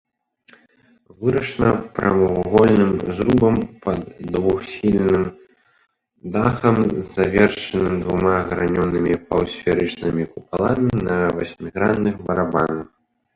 Вырашана прамавугольным зрубам пад двухсхільным дахам, завершаным двума гранёнымі паўсферычнымі купаламі на васьмігранных барабанах.